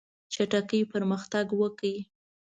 چټکي پرمختګ وکړ.